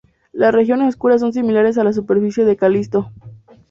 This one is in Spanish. Las regiones oscuras son similares a la superficie de Calisto.